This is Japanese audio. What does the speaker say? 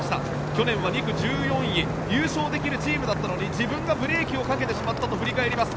去年は２区、１４位優勝できるチームだったのに自分がブレーキをかけてしまったと振り返ります。